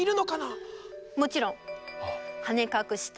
もちろん。